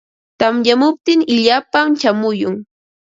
Tamyamuptin illapam chayamun.